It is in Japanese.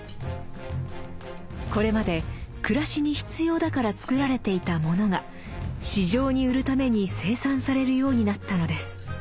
これまで暮らしに必要だから作られていたものが市場に売るために生産されるようになったのです。